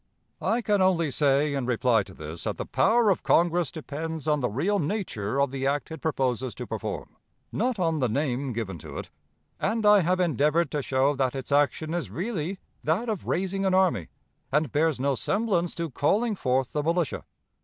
"' "I can only say, in reply to this, that the power of Congress depends on the real nature of the act it proposes to perform, not on the name given to it; and I have endeavored to show that its action is really that of 'raising an army,' and bears no semblance to 'calling forth the militia.'